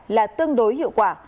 là tương đối hiệu quả